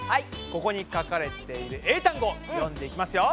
ここに書かれている英単語読んでいきますよ。